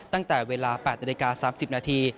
ตั้งแต่เวลา๘นาฬิกา๓๐นาที